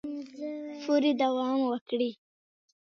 پورې دوام وکړي